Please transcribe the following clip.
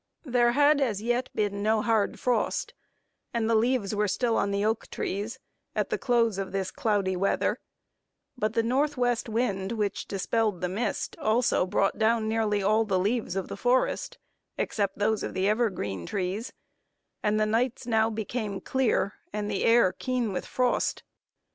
There had, as yet, been no hard frost, and the leaves were still on the oak trees, at the close of this cloudy weather; but the northwest wind which dispelled the mist, also brought down nearly all the leaves of the forest, except those of the evergreen trees; and the nights now became clear, and the air keen with frost.